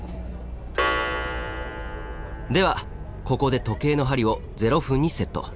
ではここで時計の針を０分にセット。